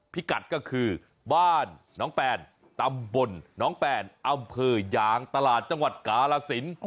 พิกัดก็คือบ้านน้องแปนตำบลน้องแปนอำเภอยางตลาดจังหวัดกาลสิน